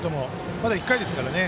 まだ１回ですからね。